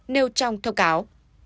nêu trong thông cáo